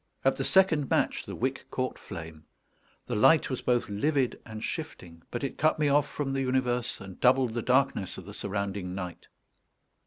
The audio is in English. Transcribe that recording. At the second match the wick caught flame. The light was both livid and shifting; but it cut me off from the universe, and doubled the darkness of the surrounding night.